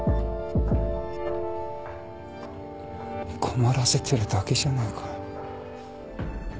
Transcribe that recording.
困らせてるだけじゃないか。